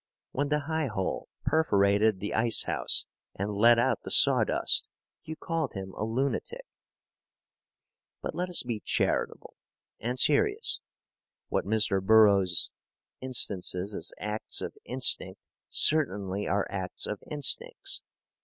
When the highhole perforated the icehouse and let out the sawdust, you called him a lunatic ... But let us be charitable and serious. What Mr. Burroughs instances as acts of instinct certainly are acts of instincts.